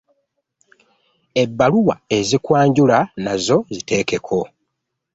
Ebbaluwa ezikwanjula nazo ziteekeko.